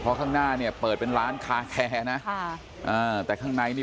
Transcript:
เพราะข้างหน้าเนี่ยเปิดเป็นร้านคาแคร์นะค่ะอ่าแต่ข้างในนี่